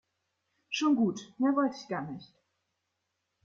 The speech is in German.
Schon gut, mehr wollte ich gar nicht.